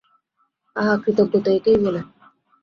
আহা, কৃতজ্ঞতা একেই বলে।